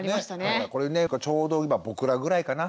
だからこれねちょうど今僕らぐらいかな。